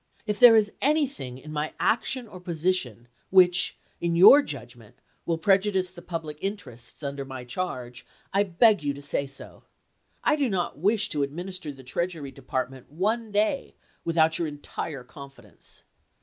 If there is anything in my action or position which in your judg ment will prejudice the public interests under my charge, I beg you to say so. I do not wish to administer the Treasury Department one day without your entire confi dence.